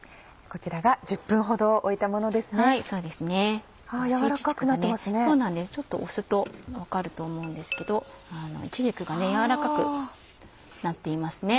ちょっと押すと分かると思うんですけどいちじくが軟らかくなっていますね。